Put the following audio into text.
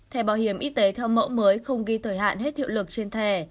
thẻ bảo hiểm y tế theo mẫu mới không ghi thời hạn hết hiệu lực trên thẻ